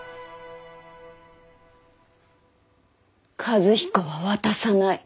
和彦は渡さない。